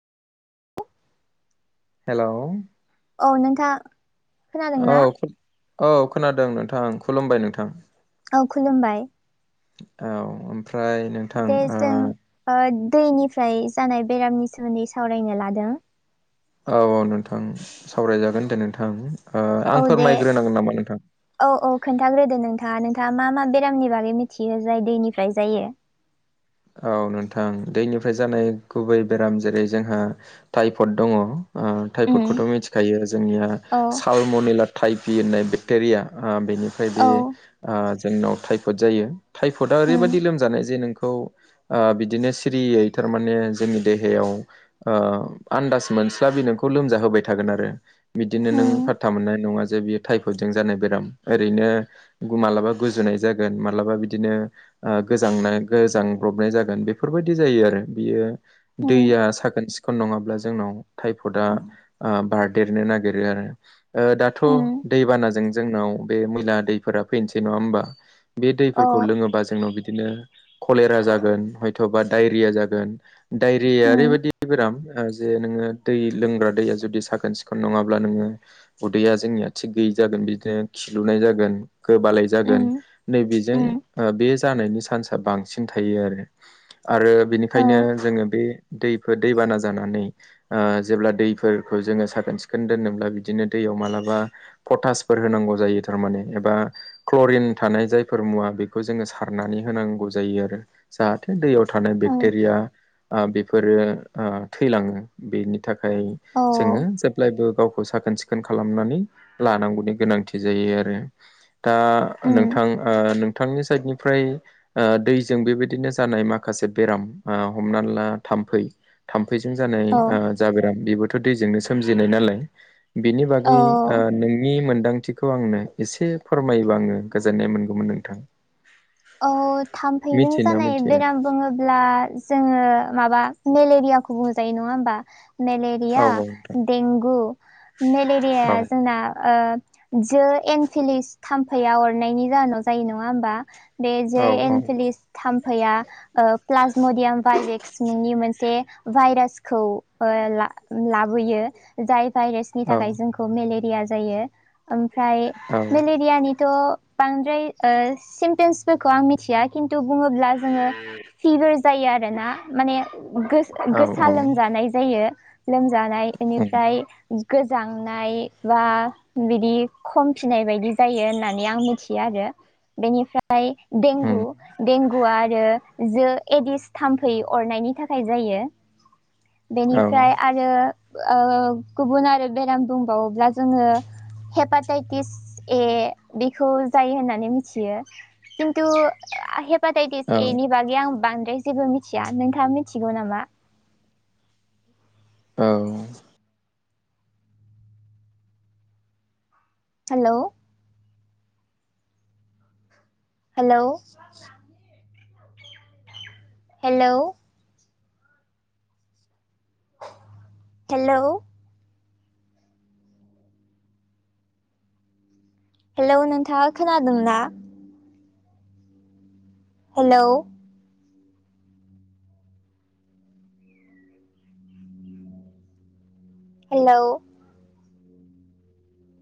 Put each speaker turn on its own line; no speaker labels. Hello
अ नोंथां।
औ
खोनादोंना
औ खोनादों नोंथां खुलुमबाय नोंथां।
औ खुलुमबाय।
औ ओमफ्राय नोंथां
दे
ओ
जों
औ
ओ दैनिफ्राय जानाय बेरामनि सोमोन्दै सावरायनो लादों।
औ औ नोंथां सावरायजागोन दे नोंथां ओ
औ
आं
दे
फोरमायग्रोनांगोन नामा नोंथां?
औ औ खोन्थाग्रोदो नोंथाङा नोंथाङा मा मा बेरामनि बागै मिथियो जाय दैनिफ्राय जायो।
औ नोंथां दैनिफ्राय जानाय गुबै बेराम जेरै जोंहा टाइफड दङ ओ टायपुदखौथ'
उम
मिथिखायो जोंनिया
औ
सालमनिला थाइपि होननाय बेक्टेरिया ओ बेनि फ्राय
औ
बे ओ जोंनाव थाइफोड जायो थाइफदआ
उम
ओरैबायदि लोमजानाय जे नोंखौ ओ बिदिनो सिरियै थारमाने जोंनि देहायाव ओ आन्दाज मोनस्लाबि नोंखौ लोमजाहोबाय थागोन आरो। बिदिनो नों
उम
फातथा मोननाय नङा जे बियो थाइफदजों जानाय बेराम ओरैनो मालाबा गुजुनाय जागोन मालाबा बिदिनो ओ गोजांना गोजां ब्रबनाय जागोन बेफोरबायदि जायो आरो बियो
उम
दैया साखोन सिखोन नङाब्ला जोंनाव थाइपदा ओ बारदेरनो नागेरो आरो। ओ दाथ'
उम
दैबानाजों जोंनाव बे मैला दैफोरा फैनोसै नङा होमबा? बे
औ
दैफोरखौ लोङोबा जोंनाव बिदिनो खलेरा जागोन हयथ'बा डायरिया जागोन। डायरियाया
उम
ओरैबायदि बेराम आ जे नोङो दै लोंग्रा दैया जुदि साखोन सिखोन नङाब्ला नोङो उदैया जोंनिया थिग गैयै जागोन बिदिनो खिलुनाय जागोन गोबालाय जागोन।
उम
नैबिजों
उम
ओ बे जानायनि चान्सआ बांसि थायो आरो आरो
औ
बिनिखायनो जोङो बे दैफोर दैबाना जानानै ओ जेब्ला दैफोरखो जोङो साखोन सिखोन दोन्नोब्ला बिदिनो दैयाव मालाबा पटासफोर होनांगौ जायो थारमाने एबा क्ल'रिन थानाय जायफोर मुवा बेखौ जोङो सारनानै होनांगौ जायो आरो। जाहाथे दैयाव थानाय
औ
बेक्टेरिया ओ बेफोरो ओ थैलाङो। बेनि थाखाय
औ
जोङो जेब्लायबो गावखौ साखोन सि खोन खालामनानै लानांगौनि गोनांथि जायो आरो। दा
उम
नोंथां ओ नोंथांनि साइडनिफ्राय ओ दै जों बेबायदिनो जानाय माखासे बेराम ओ हमना ला थाम्फै थाम्फैजों जानाय
औ
ओ जा बेराम बेबोथ' दैजोंनो सोमजिनाय नालाय। बेनि बागै
औ
ओ नोंनि मोन्दांथि खौ आंनो एसे फोरमायोबा आङो गोजोननाय मोनगौमोन नोंथां।
औ थाम्फैजों
मिथियोना
जानाय
मिथिया
बेराम बुङो ब्ला जोङो माबा मेलेरियाखौ बुंजायो नङा होमबा मेले रिया
औ नोंथां
देंगु नेलेरियाया जोंना ओ जो एन्फिलिस थाम्फैया अरनायनि जाहोनाव जायो नङा होमबा? बे जे
औ औ
एन्फिलिस थाम्फैया ओ प्लाज्मडियाम भाइरेक्स मुंनि मोनसे भाइरासखौ ओ ला लाबोयो जाय भाइरेस नि
औ
थाखाय जोंखौ मेलेरिया जायो ओमफ्राय
औ
मेलेरियानिथ' बांद्राय ओ सिमटिम्सफोरखौ आं मिथिया किन्तु बुङोब्ला जोङो फिबारज जायो आरोना माने गोस-गोसा
औ
लोमजानाय जायो। लोमजानाय एनिफ्राय गोजांनाय बा बिदि खमफिनाय बायदि जायो होननानै आं मिथियो आरो बेनिफ्रा फ्राय देंगु देंगु आरो जो एडिस थाम्फै अरनायनि थाखाय जायो। बेनिफ्राय
औ
आरो गुबुन आरो बेराम दंबावोब्ला जोङो हेपाटाइटिस ए बेखौ जायो होननानै मिथियो। खिनथु हेपाटाइटिस एनि बागै आं बांद्राय जेबो मिथिया नोंथाङा मिथिगौ नामा?
औ
हेल' हेल' [inaudible] हेलौ हेल' हेलौ नोंथाङा खोनादों ना? Hello hello